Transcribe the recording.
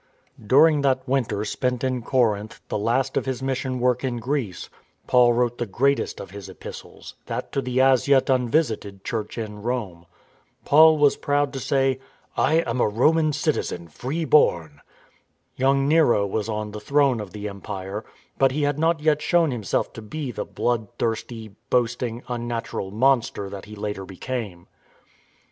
During that winter spent in Corinth, the last of his mission work in Greece, Paul wrote the greatest of his Epistles, that to the as yet unvisited Church in Rome. Paul was proud to say, " I am a Roman citi zen, free born." Young Nero was on the throne of the Empire, but he had not yet shown himself to be the bloodthirsty, boasting, unnatural monster that he later became.